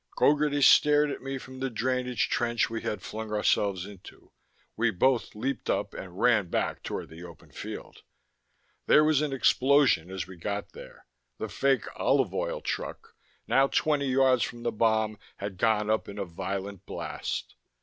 Gogarty stared at me from the drainage trench we had flung ourselves into. We both leaped up and ran back toward the open field. There was an explosion as we got there the fake "olive oil" truck, now twenty yards from the bomb, had gone up in a violent blast.